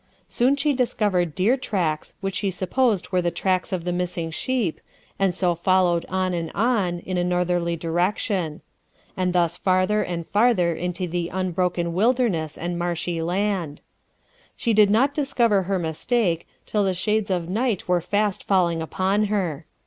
Soon she discovered deer tracks, which she supposed were the tracks of the missing sheep, and so followed on and on, in a northerly direction; and thus farther and farther into the unbroken wilderness and marshy land. She did not discover her mistake, till the shades of night were fast falling upon her.